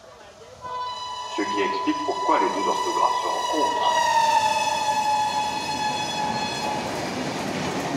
Ce qui explique pourquoi les deux orthographe se rencontrent.